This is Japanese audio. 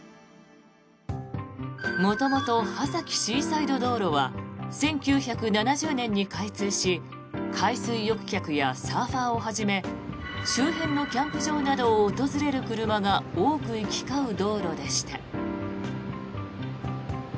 元々、波崎シーサイド道路は１９７０年に開通し海水浴客やサーファーをはじめ周辺のキャンプ場などを訪れる車が多く行き交う道路でした。